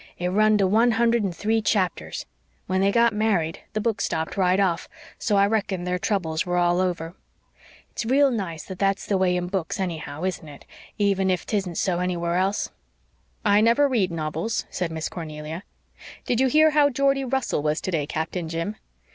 "It run to one hundred and three chapters. When they got married the book stopped right off, so I reckon their troubles were all over. It's real nice that that's the way in books anyhow, isn't it, even if 'tistn't so anywhere else?" "I never read novels," said Miss Cornelia. "Did you hear how Geordie Russell was today, Captain Jim?"